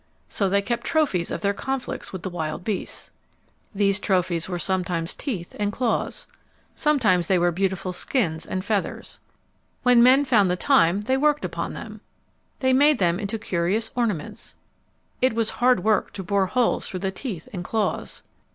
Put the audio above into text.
So they kept trophies of their conflicts with the wild beasts. These trophies were sometimes teeth and claws. Sometimes they were beautiful skins and feathers. When men found the time they worked upon them. [Illustration: A necklace of claws] They made them into curious ornaments. It was hard work to bore holes through the teeth and claws.